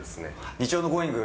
日曜のＧｏｉｎｇ！